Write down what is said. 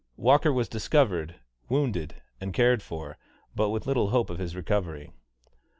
Walker was discovered wounded, and cared for, but with little hope of his recovery.